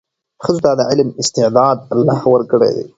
ښځو ته د علم استعداد الله ورکړی دی.